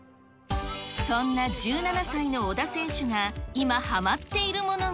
そんな１７歳の小田選手が、今はまっているものが。